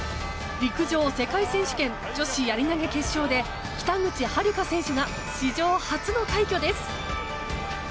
陸上世界選手権女子やり投げ決勝で北口榛花選手が史上初の快挙です。